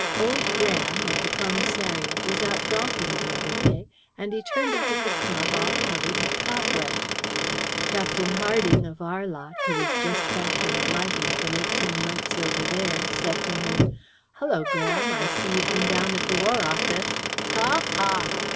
Old Graham, of the Commissariat, was out golfing the other day, and he turned up at the club all covered with cobwebs. Captain Harding, of our lot, who was just back in Blighty from eighteen months over there, said to him, 'Hullo, Graham, I see you've been down at the War Office.' Ha, ha!"